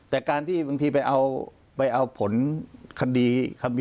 แต่การที่บางทีไปเอาผลคดี